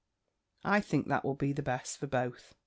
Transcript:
I think that will be the best for both.